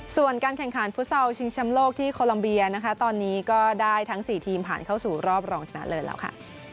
ส่วนการแข่งขันฟุตซอลชิงแชมป์โลกที่โคลัมเบียนะคะตอนนี้ก็ได้ทั้ง๔ทีมผ่านเข้าสู่รอบรองชนะเลิศแล้วค่ะ